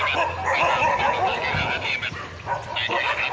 กลับตัวไป